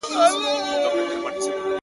• د هغې خوله ، شونډي ، پېزوان او زنـي.